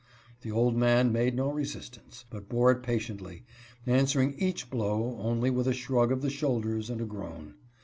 The old man made no resistance, but bore it patiently, answering each blow with only a shrug of the shoulders and a groan.